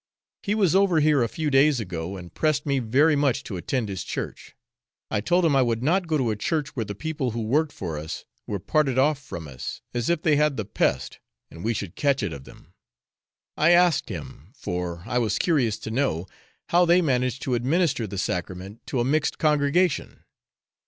He was over here a few days ago, and pressed me very much to attend his church. I told him I would not go to a church where the people who worked for us were parted off from us, as if they had the pest, and we should catch it of them. I asked him, for I was curious to know, how they managed to administer the Sacrament to a mixed congregation?